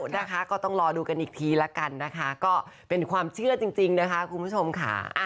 ทำบุญบ้านครับแล้วก็หยดน้ำมวลมันออก